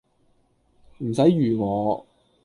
唔使預我